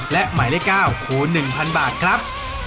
และหมายเลข๙คูณ๑๐๐บาทครับ